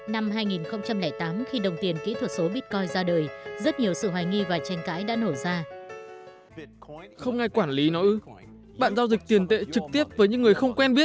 năm hai nghìn tám khi đồng tiền kỹ thuật số bitcoin ra đời rất nhiều sự hoài nghi và tranh cãi đã nổ ra